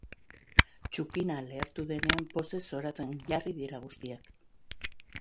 Txupina lehertu denean pozez zoratzen jarri dira guztiak.